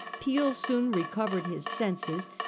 Peel soon recovered his senses.